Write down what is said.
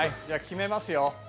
じゃあ決めますよ。